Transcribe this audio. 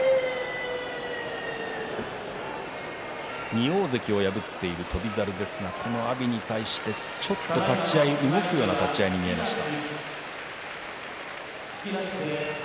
２大関を破っている翔猿ですがこの阿炎に対して立ち合い動くような立ち合いに見えました。